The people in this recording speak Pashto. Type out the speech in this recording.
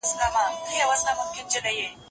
شالمار مېلو ته ځمه